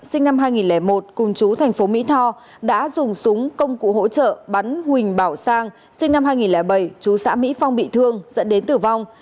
sinh năm hai nghìn một cùng chú thành phố mỹ tho đã dùng súng công cụ hỗ trợ bắn huỳnh bảo sang sinh năm hai nghìn bảy chú xã mỹ phong bị thương dẫn đến tử vong